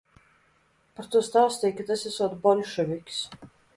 Par to stāstīja, ka tas esot boļševiks.